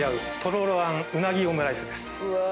うわ！